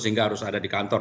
sehingga harus ada di kantor